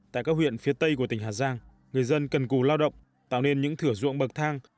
tại các huyện phía tây của tỉnh hà giang người dân cần cù lao động tạo nên những thửa ruộng bậc thang